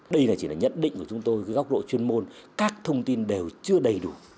đây là chỉ là nhận định của chúng tôi cái góc độ chuyên môn các thông tin đều chưa đầy đủ